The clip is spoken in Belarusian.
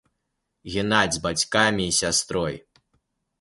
Генадзь з бацькамі і сястрой.